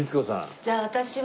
じゃあ私は。